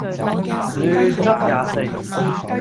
亂噏廿四